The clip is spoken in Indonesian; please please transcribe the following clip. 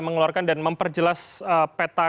mengeluarkan dan memperjelas peta